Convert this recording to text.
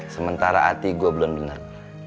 sementara hati gua belom benar